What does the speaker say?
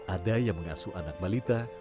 ada yang mengasuh anak balita